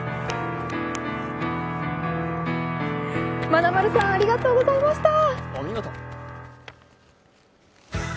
まなまるさん、ありがとうございました。